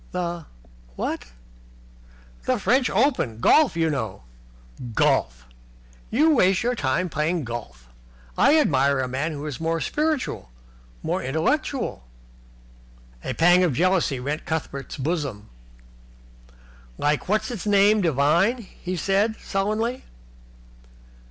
"The what?" "The French Open Championship. Golf, you know." "Golf! You waste all your time playing golf. I admire a man who is more spiritual, more intellectual." A pang of jealousy rent Cuthbert's bosom. "Like What's his name Devine?" he said, sullenly.